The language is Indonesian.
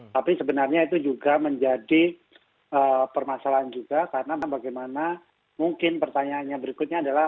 tapi sebenarnya itu juga menjadi permasalahan juga karena bagaimana mungkin pertanyaannya berikutnya adalah